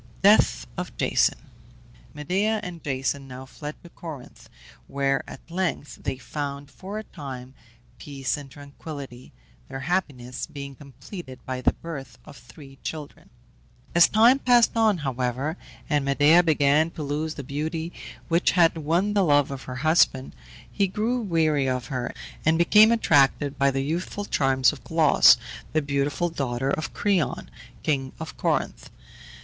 DEATH OF JASON. Medea and Jason now fled to Corinth, where at length they found, for a time, peace and tranquillity, their happiness being completed by the birth of three children. As time passed on, however, and Medea began to lose the beauty which had won the love of her husband, he grew weary of her, and became attracted by the youthful charms of Glauce, the beautiful daughter of Creon, king of Corinth.